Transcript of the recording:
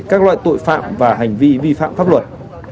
các loại tội phạm và hành vi vi phạm pháp luật